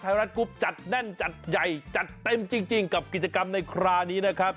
ไทยรัฐกรุ๊ปจัดแน่นจัดใหญ่จัดเต็มจริงกับกิจกรรมในคราวนี้นะครับ